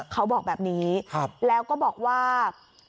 เขาบอกแบบนี้แล้วก็บอกว่า